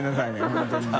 本当にね。